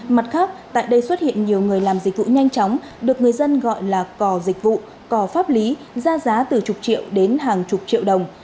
mặt khác tại đây xuất hiện nhiều người làm dịch vụ nhanh chóng được người dân gọi là cò dịch vụ cò pháp lý ra giá từ chục triệu đến hàng chục triệu đồng